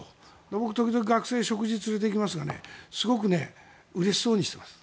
僕、時々学生を食事に連れていきますがすごくうれしそうにしています。